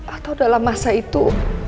atau dalam masa itu